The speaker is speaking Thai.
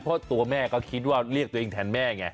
เพราะตัวแม่ก็คิดว่าเรียกตัวเองแทนแม่ไง